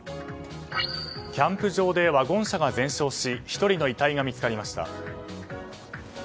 キャンプ場でワゴン車が全焼し１人の遺体が見つかりました。